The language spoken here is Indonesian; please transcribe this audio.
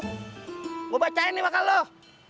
gua bacain nih bakal lu